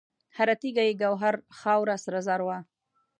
هر تیږه یې ګوهر، خاوره سره زر وه